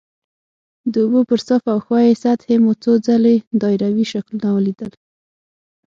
د اوبو پر صافه او ښویې سطحې مو څو ځلې دایروي شکلونه ولیدل.